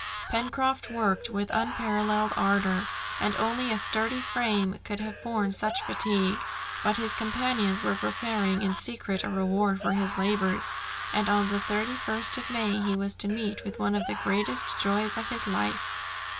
Pencroft worked with unparalleled ardour, and only a sturdy frame could have borne such fatigue; but his companions were preparing in secret a reward for his labours, and on the 31st of May he was to meet with one of the greatest joy's of his life.